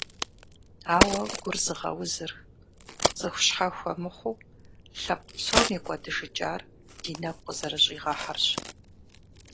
Ауэ гур зыгъэузыр, цӀыху щхьэхуэ мыхъуу, лъэпкъ псом и кӀуэдыжыкӀар ди нэгу къызэрыщӀигъэхьэрщ.